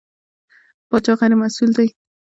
پاچا غېر مسوول دی.